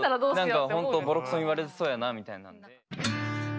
何か本当ボロクソ言われてそうやなみたいなんで。